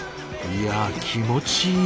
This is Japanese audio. いや気持ちいい。